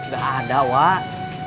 gak ada wak